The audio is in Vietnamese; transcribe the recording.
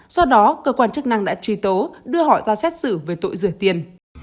do đó cơ quan chức năng đã truy tố đưa họ ra xét xử về tội rửa tiền